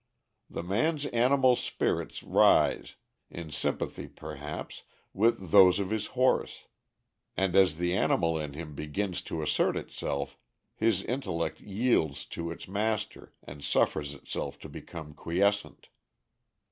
The man's animal spirits rise, in sympathy, perhaps, with those of his horse, and as the animal in him begins to assert itself his intellect yields to its master and suffers itself to become quiescent.